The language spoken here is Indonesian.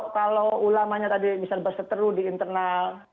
kalau ulamanya tadi misalnya berseteru di internal